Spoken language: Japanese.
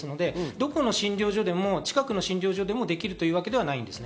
どこの診療所でも近くの診療所でもできるというわけではないです。